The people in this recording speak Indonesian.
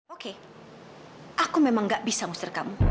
oke aku memang gak bisa nguster kamu